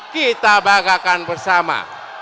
kita banggakan bersama